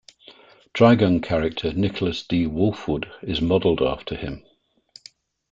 Trigun character Nicholas D. Wolfwood is modeled after him.